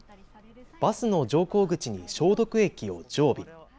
バスの乗降口に消毒液を常備。